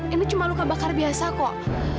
ini cuma luka bakar biasa kok